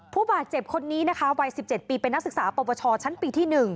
ผู้บาดเจ็บคนนี้นะคะวัย๑๗ปีเป็นนักศึกษาปวชชั้นปีที่๑